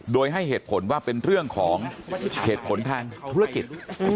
โดยให้เหตุผลว่าเป็นเรื่องของเหตุผลทางธุรกิจ